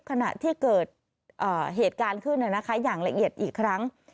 ขณะที่เกิดเหตุการณ์ขึ้นอย่างละเอียดอีกครั้ง